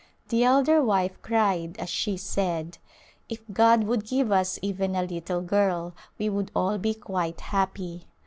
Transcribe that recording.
The elder wife cried as she said, " If God would give us even a little girl we would all be quite happy."